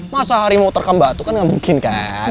masa harimau terkam batu kan nggak mungkin kan